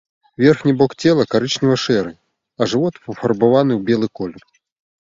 Верхні бок цела карычнева-шэры, а жывот пафарбаваны ў белы колер.